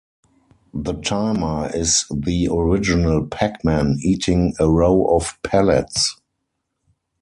The timer is the original "Pac-Man", eating a row of pellets.